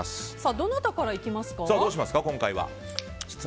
どなたからいきますか？